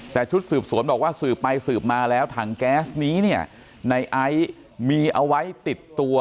แต่ชุดสืบสวนบอกว่าสืบไปสืบมาแล้วถังแก๊สนี้เนี่ยในไอซ์มีเอาไว้ติดตัว